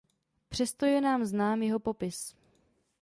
Přesto je nám znám jeho popis.